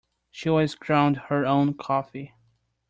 She always ground her own coffee.